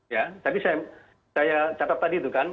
ya tapi saya catat tadi itu kan